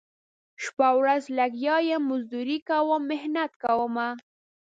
شپه ورځ لګیا یم مزدوري کوم محنت کومه